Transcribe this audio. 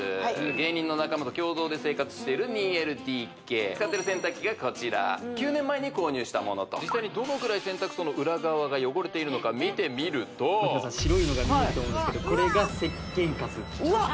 芸人の仲間と共同で生活している２ＬＤＫ使ってる洗濯機がこちら９年前に購入したものと実際にどのぐらい洗濯槽の裏側が汚れているのか見てみると白いのが見えると思うんですけどこれが石鹸カスうわっ